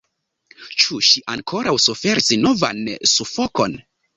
Ĉu ŝi ankoraŭ suferis novan sufokon?